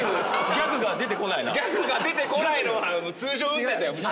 ギャグが出てこないのは通常運転だよむしろ。